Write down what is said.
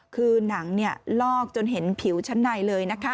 คือหนังลอกจนเห็นผิวชั้นในเลยนะคะ